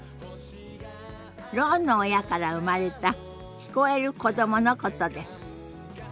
ろうの親から生まれた聞こえる子どものことです。